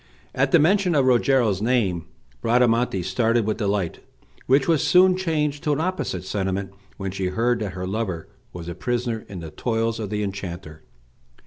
At the mention of Rogero's name Bradamante started with delight, which was soon changed to an opposite sentiment when she heard that her lover was a prisoner in the toils of the enchanter.